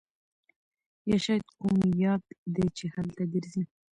یا شاید کوم یاږ دی چې هلته ګرځي